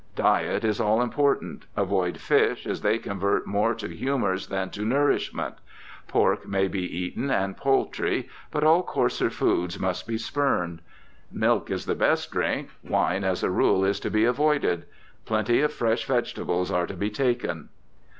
Diet is all important. Avoid fish, as they convert more to humours than to nourishment : pork may be eaten and poultry, but all coarser foods must be spurned. Milk is the best drink; wine as a rule is to be avoided ; plenty of fresh vegetables are to be taken.